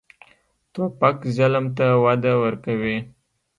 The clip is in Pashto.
توپک ظلم ته وده ورکوي.